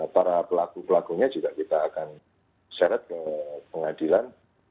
para pelaku pelakunya juga kita akan seret ke pengadilan